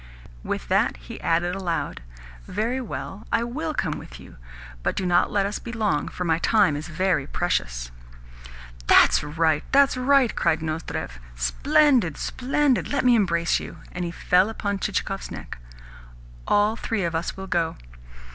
With that he added aloud: "Very well, I WILL come with you, but do not let us be long, for my time is very precious." "That's right, that's right!" cried Nozdrev. "Splendid, splendid! Let me embrace you!" And he fell upon Chichikov's neck. "All three of us will go."